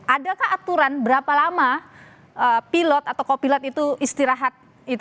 adakah aturan berapa lama pilot atau kopilot itu istirahat